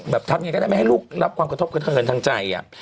แบบทำอย่างไรก็ได้ไม่ให้ลูกรับความกระทบกันทางใจ